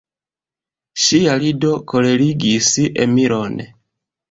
Ŝia rido kolerigis Emilon.